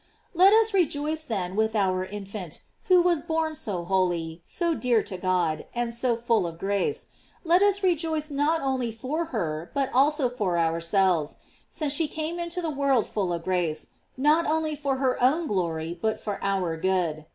Let us rejoice, then, with our infant, who was born so holy, so dear to God, and so full of grace; and let us rejoice not only for her, but also for ourselves, since she came into the world full of grace, not only for her own glory, but for our good.